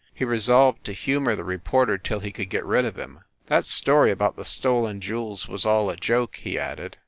He resolved to humor the reporter till he could get rid of him. "That story about the stolen jewels was all a joke," he added.